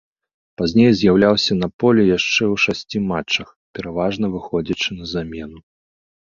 Пазней з'яўляўся на полі яшчэ ў шасці матчах, пераважна выходзячы на замену.